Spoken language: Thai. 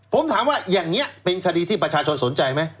ผมถามว่าอย่างนี้เป็นคดีที่ประชาชนสนใจไหม